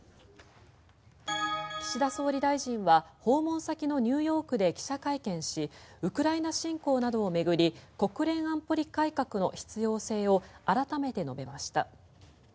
岸田総理大臣は訪問先のニューヨークで記者会見しウクライナ侵攻などを巡り国連安保理改革の必要性を改めて述べました。